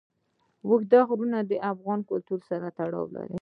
اوږده غرونه د افغان کلتور سره تړاو لري.